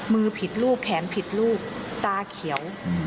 ผิดลูกแขนผิดลูกตาเขียว